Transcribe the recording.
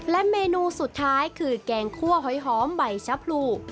และเมนูสุดท้ายคือแกงคั่วหอยหอมใบชะพรู